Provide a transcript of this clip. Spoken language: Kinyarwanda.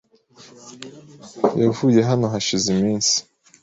Yavuye hano hashize iminsi .